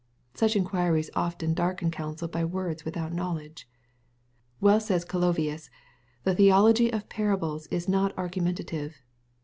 Such inquiries often darken counsel by words without knowledg ^. Well says Calovius, " the theology of parables is not argumen tative."